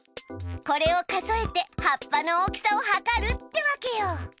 これを数えて葉っぱの大きさをはかるってわけよ。